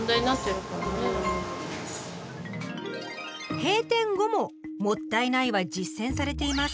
閉店後も「もったいない」は実践されています。